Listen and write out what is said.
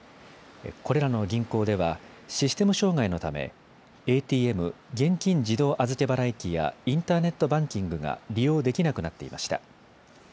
これらの銀行ではシステム障害のためＡＴＭ・現金自動預け払い機やインターネットバンキングが利用できなくなっていました。